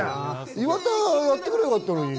岩田がやってくればよかったのに。